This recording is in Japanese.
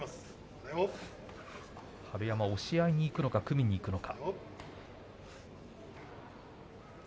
春山、押し合いにいくのか組みにいくのか。